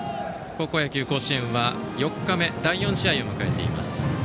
高校野球、甲子園は４日目の第４試合を迎えています。